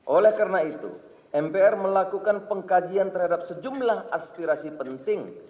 oleh karena itu mpr melakukan pengkajian terhadap sejumlah aspirasi penting